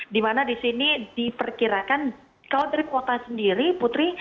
di mana di sini diperkirakan kalau dari kota sendiri putri